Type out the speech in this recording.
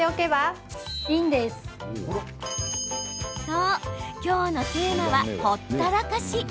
そう、きょうのテーマはほったらかし。